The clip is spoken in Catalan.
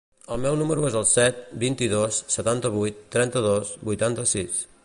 El meu número es el set, vint-i-dos, setanta-vuit, trenta-dos, vuitanta-sis.